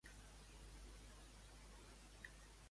Què li succeeix a Políxena?